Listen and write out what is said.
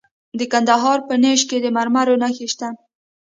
د کندهار په نیش کې د مرمرو نښې شته.